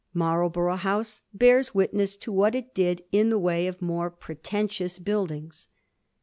Marlborough House bears witness to what it did in the way of more pretentious buildings.